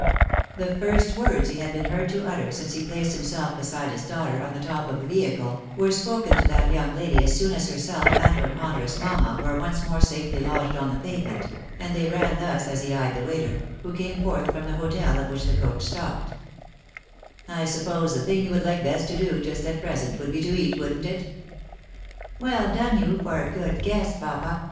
The first words he had been heard to utter since he placed himself beside his daughter, on the top of the vehicle, were spoken to that young lady as soon as herself and her ponderous mamma were once more safely lodged on the pavement, and they ran thus, as he eyed the waiter, who came forth from the hotel at which the coach stopped :" I suppose the thing you would like best to do just at pre sent, would be to eat, wouldn't it ?"" Well done you for a good guess, papa